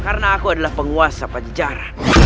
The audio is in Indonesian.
karena aku adalah penguasa panjar